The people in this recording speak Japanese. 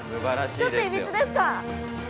ちょっといびつですか？